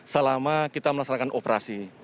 selama kita melaksanakan operasi